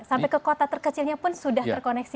sampai ke kota terkecilnya pun sudah terkoneksi